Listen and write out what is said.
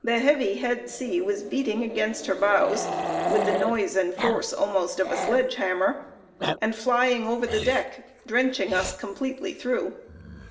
The heavy head sea was beating against her bows with the noise and force almost of a sledge hammer, and flying over the deck, drenching us completely through.